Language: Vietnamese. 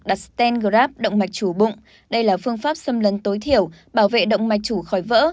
đặt sten grab động mạch chủ bụng đây là phương pháp xâm lấn tối thiểu bảo vệ động mạch chủ khỏi vỡ